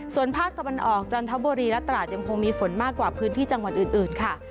ส่วนภาคตะวันออกจันทบุรีและตราดยังคงมีฝนมากกว่าพื้นที่จังหวัดอื่นค่ะ